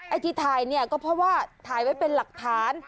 ที่ถ่ายเนี่ยก็เพราะว่าถ่ายไว้เป็นหลักฐาน